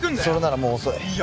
それならもう遅い。